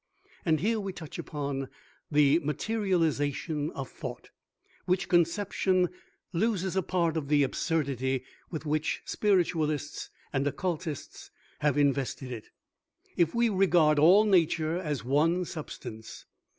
And here we touch upon the Materialization of Thought, which conception loses a part of the absurdity with which Spiritualists and Occultists have invested it, if we regard all nature as one substance.